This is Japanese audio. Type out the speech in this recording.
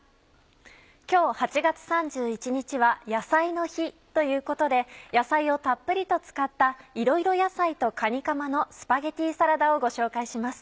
今日８月３１日は野菜の日ということで野菜をたっぷりと使った「いろいろ野菜とかにかまのスパゲティサラダ」をご紹介します。